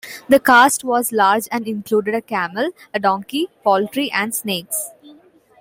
The cast was large and included a camel, a donkey, poultry and snakes.